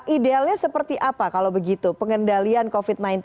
idealnya seperti apa kalau begitu pengendalian covid sembilan belas